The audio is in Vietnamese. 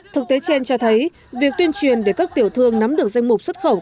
thực tế trên cho thấy việc tuyên truyền để các tiểu thương nắm được danh mục xuất khẩu